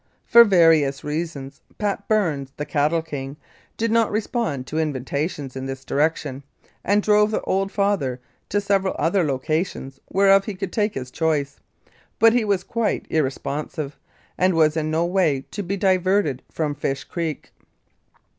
For various reasons Pat Burns, the "Cattle King," did not respond to invitations in this direction, and drove the old father to several other locations whereof he could take his choice, but he was quite irresponsive, and was in no way to be diverted from Fish Creek.